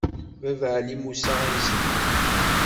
Baba Ɛli Musa izem.